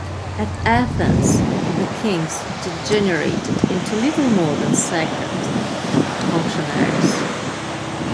At Athens the kings degenerated into little more than sacred functionaries.